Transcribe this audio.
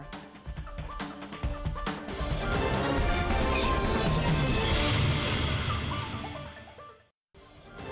sampai ketemu di babak tiga selesai